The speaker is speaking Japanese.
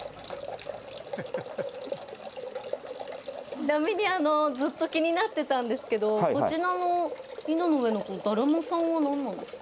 ちなみにずっと気になってたんですけどこちらの井戸の上のだるまさんは何なんですか？